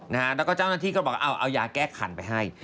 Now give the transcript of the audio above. แล้วก็เจ้าหน้าที่ก็บอกเอายาแก้ขันไปให้